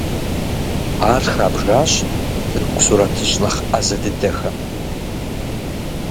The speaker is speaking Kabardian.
Ар хабжащ тырку сурэтыщӀ нэхъ Ӏэзэ дыдэхэм.